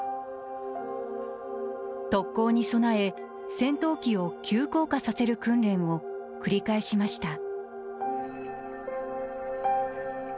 特攻に備え戦闘機を急降下させる訓練を繰り返しました。